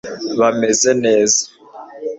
Bameze neza